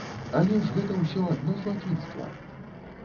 Але ж гэта ўсё адно злачынства!